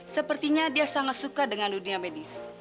sepertinya dia sangat suka dengan dunia medis